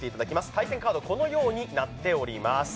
対戦カードは、このようになっております。